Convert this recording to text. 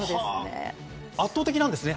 圧倒的なんですね